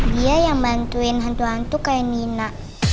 dia yang bantuin hantu hantu kayak nina